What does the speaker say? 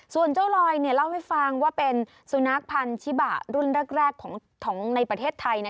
ส่วนเจ้าลอยเล่าให้ฟังว่าเป็นสุนัขพันธิบะรุ่นแรกของในประเทศไทย